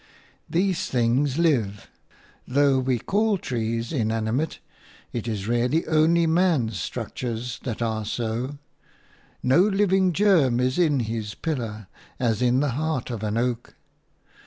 These things live; though we call trees inanimate, it is really only man's structures that are so; no living germ is in his pillar, as in the heart of an oak.